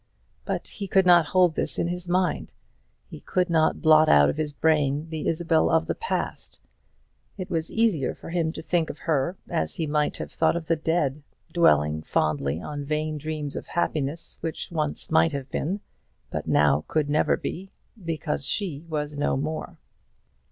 But he could not hold this in his mind. He could not blot out of his brain the Isabel of the past. It was easier for him to think of her as he might have thought of the dead, dwelling fondly on vain dreams of happiness which once might have been, but now could never be, because she was no more.